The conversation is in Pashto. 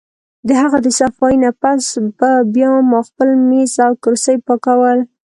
د هغه د صفائي نه پس به بیا ما خپل مېز او کرسۍ پاکول